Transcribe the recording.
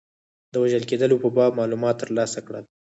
د وژل کېدلو په باب معلومات ترلاسه کړل.